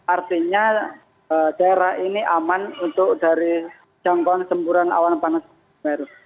artinya daerah ini aman untuk dari jangkauan semburan awan panas